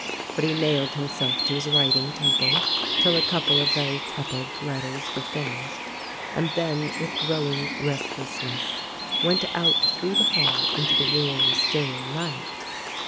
But he nailed himself to his writing table till a couple of very tepid letters were finished, and then, with growing restlessness, went out through the hall into the warm, still night.